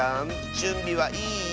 じゅんびはいい？